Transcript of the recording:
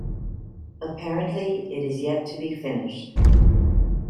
Apparently it is yet to be finished.